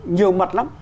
nhiều mặt lắm